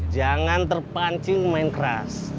jangan terpancing main keras